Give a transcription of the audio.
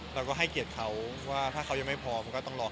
เราก็ให้เกียรติเขาว่าถ้าเขายังไม่พร้อมก็ต้องรอ